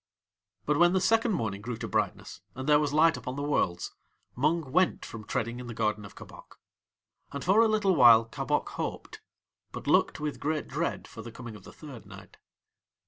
But when the second morning grew to brightness, and there was light upon the Worlds, Mung went from treading in the garden of Kabok; and for a little while Kabok hoped, but looked with great dread for the coming of the third night.